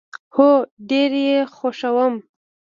هو، ډیر یي خوښوم